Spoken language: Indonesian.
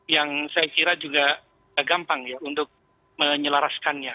yang saya kira juga gampang ya untuk menyelaraskannya